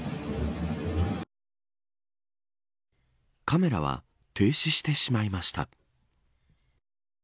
カメラは停止してしまいました。